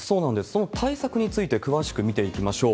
その対策について詳しく見ていきましょう。